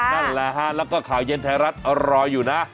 นั่นแหละฮะแล้วก็ข่าวเย็นไทยรัฐรออยู่นะ